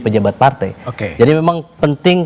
pejabat partai jadi memang penting